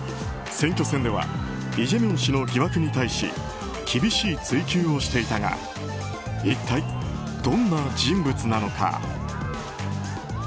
選挙戦ではイ・ジェミョン氏の疑惑に対し厳しい追及をしていたが一体、どんな人物なのか。